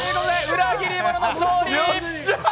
裏切り者の勝利！